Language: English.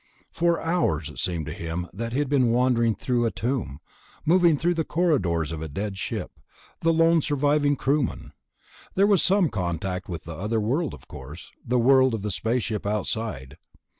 For hours it seemed to him that he had been wandering through a tomb, moving through the corridors of a dead ship, the lone surviving crewman. There was some contact with the other world, of course, the world of the spaceship outside